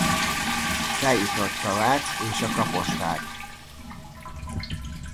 Feljutott a Vác és a Kaposvár.